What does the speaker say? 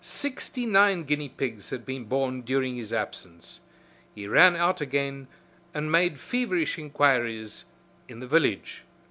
Sixty nine guinea pigs had been born during his absence. He ran out again and made feverish inquiries in the village.